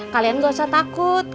kalian gak usah takut